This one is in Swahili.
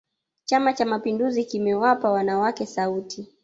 chama cha mapinduzi kimewapa wanawake sauti